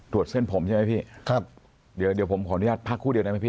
เส้นผมใช่ไหมพี่ครับเดี๋ยวเดี๋ยวผมขออนุญาตพักครู่เดียวได้ไหมพี่